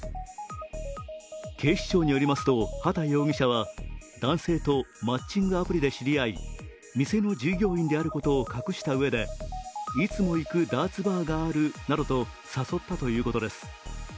警視庁によりすまと、畠容疑者は男性とマッチングアプリで知り合い店の従業員であることを隠したうえでいつも行くダーツバーがあるなどと誘ったということです。